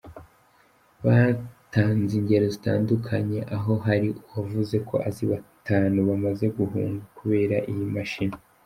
Batanze ingero zitandukanye aho hari uwavuze ko azi batanu bamaze guhunga kubera iyi mashini.